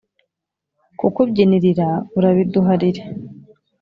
kukubyinirira urabiduharire